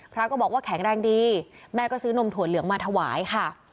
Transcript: พระก็บอกว่าแข็งแรงดีแม่ก็ซื้อนมถั่วเหลืองมาถวายค่ะ